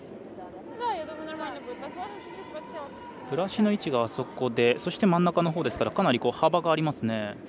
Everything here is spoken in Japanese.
ブラシの位置がそこでそして、真ん中のほうですから幅がありますね。